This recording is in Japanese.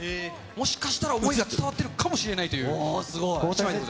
もしかしたら思いが伝わってるかもしれないという一枚です。